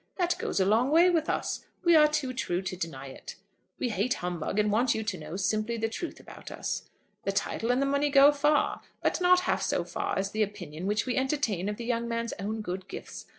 That goes a long way with us. We are too true to deny it. We hate humbug, and want you to know simply the truth about us. The title and the money go far, but not half so far as the opinion which we entertain of the young man's own good gifts.